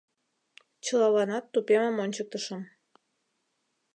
Чылаланат тупемым ончыктышым.